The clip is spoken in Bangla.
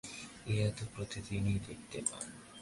ইহা তো প্রতিদিনই দেখিতে পান।